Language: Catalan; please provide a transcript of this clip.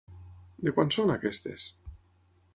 De quan són aquestes?